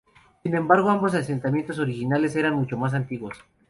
Sin embargo, ambos asentamientos originales eran mucho más antiguos.